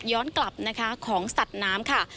ย้อนกลับของสัตว์น้ำค่ะ